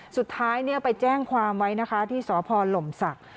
สุดท้ายไปแจ้งความไว้นะคะที่สพหลมศักดิ์